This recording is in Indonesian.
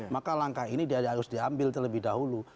maka langkah ini harus diambil terlebih dahulu